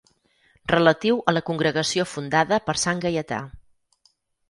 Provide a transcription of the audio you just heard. Relatiu a la congregació fundada per sant Gaietà.